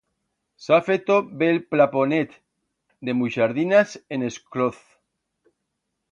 S'ha feto bel plaponet de muixardinas en es cloz.